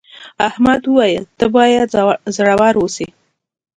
احمد وویل ته باید زړور اوسې.